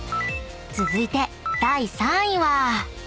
［続いて第３位は］